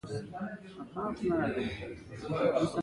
د ماهیانو خوراک له کومه کړم؟